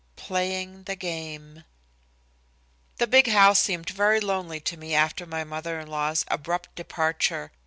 XXV PLAYING THE GAME The big house seemed very lonely to me after my mother in law's abrupt departure.